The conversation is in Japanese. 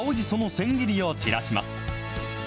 その千切りを散らします。